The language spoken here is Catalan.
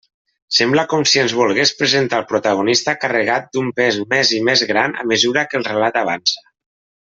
Sembla com si ens volgués presentar el protagonista carregat d'un pes més i més gran a mesura que el relat avança.